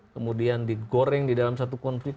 kemudian di goreng di dalam satu konflik